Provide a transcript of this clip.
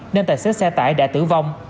nên tài xế xe tải đã tử vong